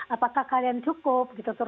apakah kalian cukup gitu